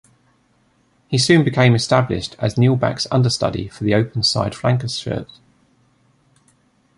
He soon became established as Neil Back's understudy for the openside flanker shirt.